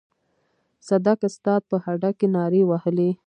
صدک استاد په هډه کې نارې وهلې.